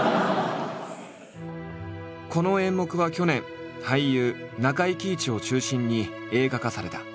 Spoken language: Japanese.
この演目は去年俳優中井貴一を中心に映画化された。